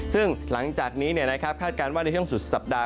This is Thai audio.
ซึ่งหลังจากนี้คาดการณ์ว่าในช่วงสุดสัปดาห